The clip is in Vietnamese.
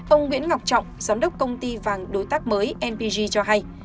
ông nguyễn ngọc trọng giám đốc công ty vàng đối tác mới npg cho hay